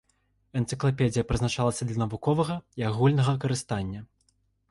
Энцыклапедыя прызначалася для навуковага і агульнага карыстання.